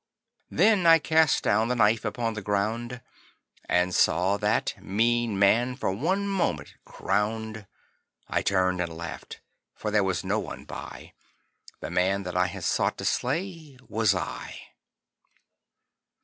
Then I cast down the knife upon the ground And saw that mean man for one moment crowned. I turned and laughed: for there was no one by The man that I had sought to slay was I.